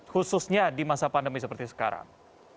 khususnya di masa pandemi seperti sekarang